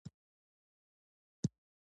ـ ناښادې ارواوې ښادې نه وي.